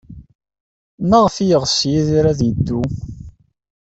Maɣef ay yeɣs Yidir ad yeddu?